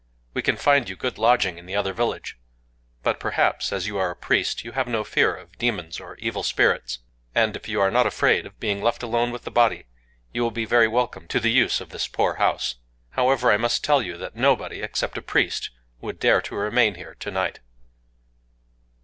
We can find you good lodging in the other village. But perhaps, as you are a priest, you have no fear of demons or evil spirits; and, if you are not afraid of being left alone with the body, you will be very welcome to the use of this poor house. However, I must tell you that nobody, except a priest, would dare to remain here tonight."